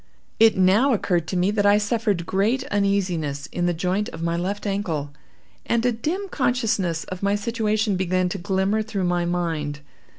It now occurred to me that I suffered great uneasiness in the joint of my left ankle, and a dim consciousness of my situation began to glimmer through my mind.